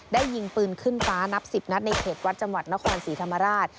ยิงปืนขึ้นฟ้านับ๑๐นัดในเขตวัดจังหวัดนครศรีธรรมราช